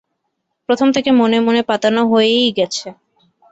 প্রথম থেকে মনে মনে পাতানো হয়েই গেছে।